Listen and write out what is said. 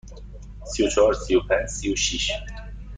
سی و چهار، سی و پنج، سی و شش.